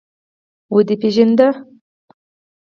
ودې پېژانده.